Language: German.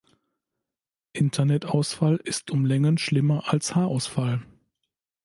Internetausfall ist um Längen schlimmer als Haarausfall!